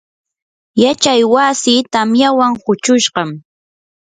yachay wasii tamyawan huchushqam.